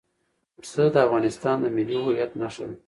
پسه د افغانستان د ملي هویت نښه ده.